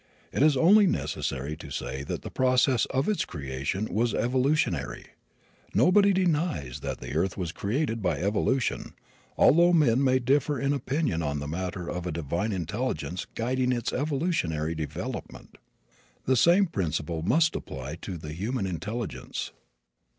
It is only necessary to say that the process of its creation was evolutionary. Nobody denies that the earth was created by evolution, although men may differ in opinion on the matter of a divine intelligence guiding its evolutionary development. The same principle must apply to the human intelligence.